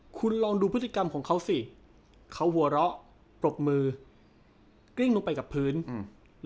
คุณลองดูพฤติกรรมของเขาสิเขาหัวเราะปรบมือกลิ้งลงไปกับพื้นอืม